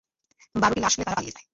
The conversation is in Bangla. বারটি লাশ ফেলে তারা পালিয়ে যায়।